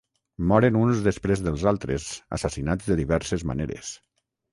Moren uns després dels altres assassinats de diverses maneres.